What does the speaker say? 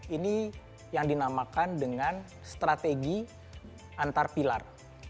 ini yang dinamakan dengan strategi antar pilar